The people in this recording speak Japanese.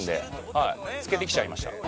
はい漬けてきちゃいました。